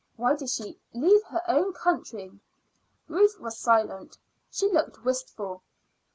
Why did she leave her own country?" Ruth was silent. She looked wistful.